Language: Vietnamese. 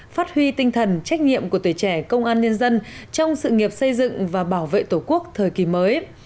phát huy tinh thần trách nhiệm của tuổi trẻ công an nhân dân trong sự nghiệp xây dựng và bảo vệ tổ quốc thời kỳ mới